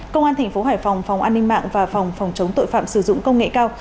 công an thành phố hải phòng phòng an ninh mạng và phòng phòng chống tội phạm sử dụng công nghệ cao